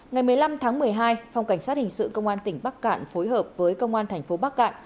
ngày một mươi năm tháng một mươi hai phòng cảnh sát hình sự công an tỉnh bắc cạn phối hợp với công an thành phố bắc cạn